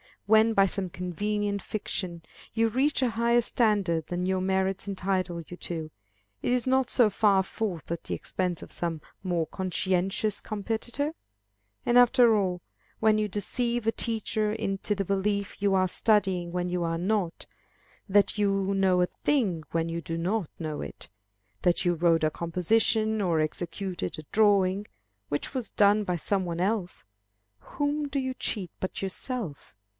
When by some convenient fiction you reach a higher standard than your merits entitle you to, is it not so far forth at the expense of some more conscientious competitor? And, after all, when you deceive a teacher into the belief that you are studying when you are not, that you know a thing when you do not know it, that you wrote a composition, or executed a drawing, which was done by some one else, whom do you cheat but yourself?